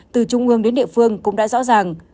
từ trung ương đến địa phương cũng đã rõ ràng